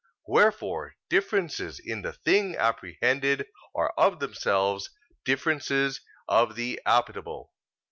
Wherefore differences in the thing apprehended are of themselves differences of the appetible.